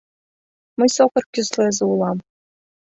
Мый сокыр кӱслезе улам.